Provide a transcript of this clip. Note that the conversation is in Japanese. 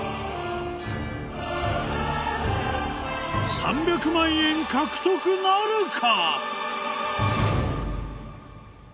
３００万円獲得なるか？